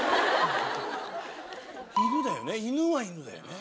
犬だよね？